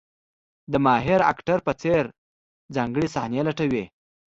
د ماهر اکټر په څېر ځانګړې صحنې لټوي.